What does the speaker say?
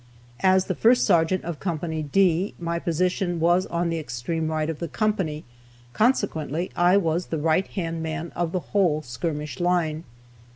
As the first sergeant of D, my position was on the extreme right of the company, consequently I was the right hand man of the whole skirmish line.